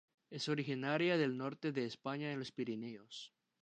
Es originaria del norte de España en los Pirineos.